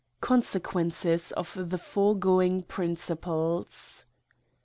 Consequences of the foregoing Principles.